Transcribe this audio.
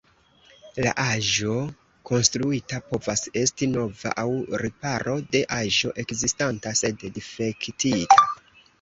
La aĵo konstruita povas esti nova aŭ riparo de aĵo ekzistanta sed difektita.